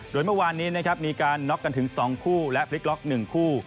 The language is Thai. โดยเมื่อวานนี้นะครับมีการน็อกกันถึง๒คู่และพลิกล็อก๑คู่